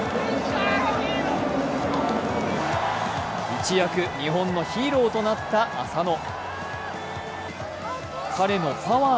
一躍、日本のヒーローとなった浅野。